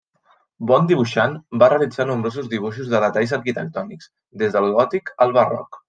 Bon dibuixant, va realitzar nombrosos dibuixos de detalls arquitectònics, des del gòtic al barroc.